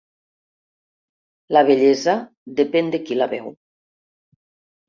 La bellesa depèn de qui la veu.